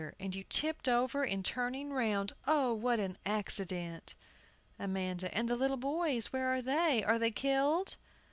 And you tipped over in turning round! Oh, what an accident! AMANDA. And the little boys where are they? Are they killed?